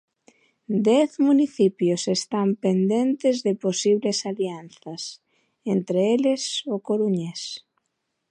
Dez municipios están pendentes de posibles alianzas, entre eles o coruñés.